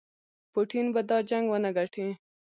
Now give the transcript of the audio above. پوټین به دا جنګ ونه ګټي.